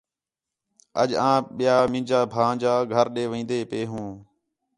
اَڄ آں ٻِیا مینجا بھانڄا گھر ݙے وین٘دے پئے ہوں